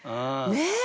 ねえ！